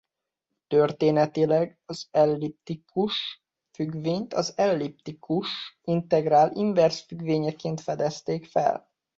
Történetileg az elliptikus-függvényt az elliptikus integrál inverz függvényeként fedezték fel.